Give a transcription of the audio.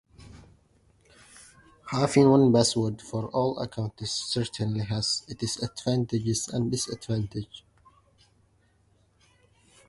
Having one password for all accounts certainly has its advantages and disadvantages.